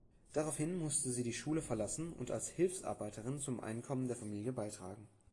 Daraufhin musste sie die Schule verlassen und als Hilfsarbeiterin zum Einkommen der Familie beitragen.